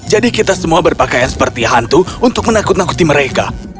jadi kita semua berpakaian seperti hantu untuk menakut nakuti mereka